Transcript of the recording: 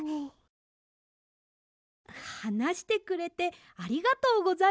はなしてくれてありがとうございます。